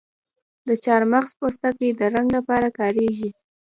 د چارمغز پوستکی د رنګ لپاره کاریږي؟